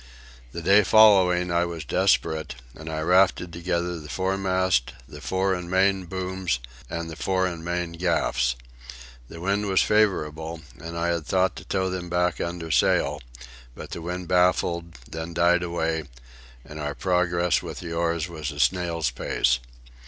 The day following I was desperate, and I rafted together the foremast, the fore and main booms, and the fore and main gaffs. The wind was favourable, and I had thought to tow them back under sail, but the wind baffled, then died away, and our progress with the oars was a snail's pace.